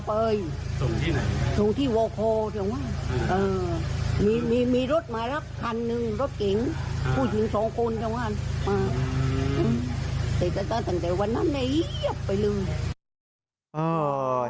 แต่ตั้งแต่วันนั้นไปลึก